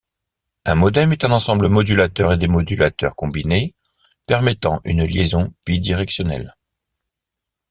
Un modem est un ensemble modulateur et démodulateur combiné permettant une liaison bidirectionnelle.